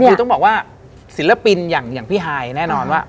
คือต้องบอกว่าศิลปินอย่างพี่ฮายแน่นอนว่า